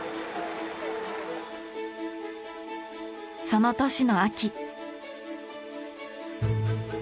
その年の秋。